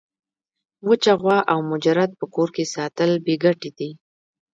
وچه غوا او مجرد په کور کي ساتل بې ګټي دي.